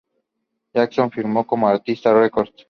Jackson firmó con Arista Records.